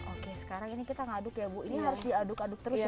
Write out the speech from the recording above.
oke sekarang ini kita ngaduk ya bu ini harus diaduk aduk terus ya